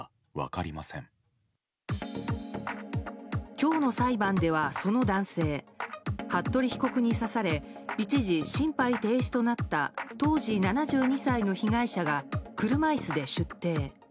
今日の裁判では、その男性服部被告に刺され一時、心肺停止となった当時７２歳の被害者が車椅子で出廷。